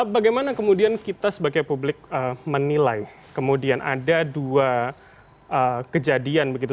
bagaimana kemudian kita sebagai publik menilai kemudian ada dua kejadian begitu